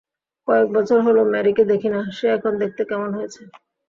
কয়েকবছর হল ম্যারিকে দেখিনা, সে এখন দেখতে কেমন হয়েছে?